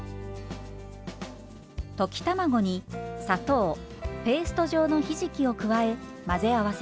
溶き卵に砂糖ペースト状のひじきを加え混ぜ合わせます。